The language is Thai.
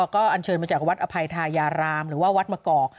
ก็อันเชิญมาจากวัดอภัยทายารามหรือว่าวัดมะกอก